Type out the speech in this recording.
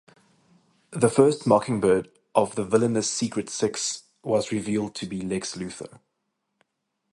The first Mockingbird of the villainous Secret Six was revealed to be Lex Luthor.